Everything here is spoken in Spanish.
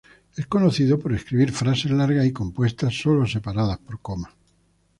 Es conocido por escribir frases largas y compuestas solo separadas por comas.